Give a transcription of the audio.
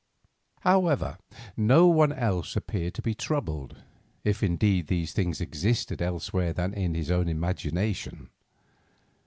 However, no one else appeared to be troubled, if, indeed, these things existed elsewhere than in his own imagination.